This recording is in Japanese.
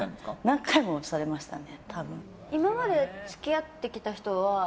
何回も浮気されましたね。